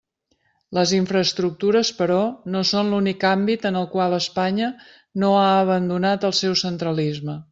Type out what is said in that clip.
Les infraestructures, però, no són l'únic àmbit en el qual Espanya no ha abandonat el seu centralisme.